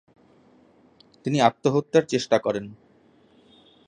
তিনি আত্মহত্যার চেষ্টা করেন।